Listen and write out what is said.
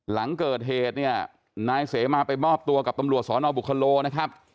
หลังเกิดเหตุเนี่ยนายเสมาไปมอบตัวกับตำรวจสอนอบุคโลนะครับ